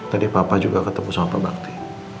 tadi papa juga ketemu sama pak bakti